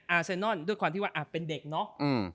เซนอนด้วยความที่ว่าเป็นเด็กเนาะ